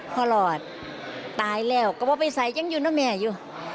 หลอดตายแล้วก็ว่าไปใส่ยังอยู่นะแม่อยู่